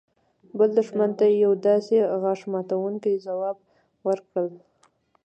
بل دښمن ته يو داسې غاښ ماتونکى ځواب ورکړل.